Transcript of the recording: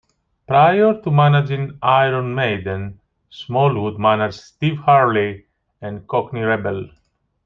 Prior to managing Iron Maiden, Smallwood managed Steve Harley and Cockney Rebel.